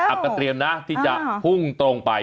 ก็เตรียมนะที่จะพุ่งตรงไป